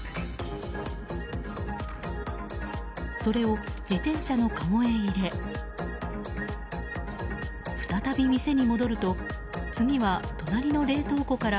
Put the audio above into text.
それを自転車のかごへ入れ再び店に戻ると次は隣の冷凍庫から